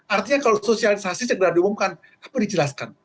artinya kalau sosialisasi sudah diumumkan tapi dijelaskan